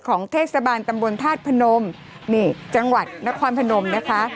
ของเทศบาลตำบลธาตุพนมนี่จังหวัดนครพนมนะคะ